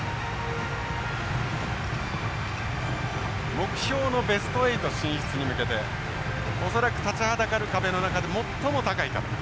目標のベスト８進出に向けて恐らく立ちはだかる壁の中で最も高い壁。